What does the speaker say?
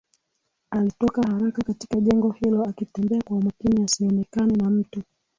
Alitoka haraka katika jengo hilo akitembea kwa umakini asionekane na mtu